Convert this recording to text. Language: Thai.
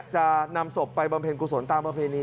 จะนำศพไปบำเพ็ญกุศลตามประเพณี